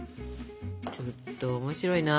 ちょっと面白いな。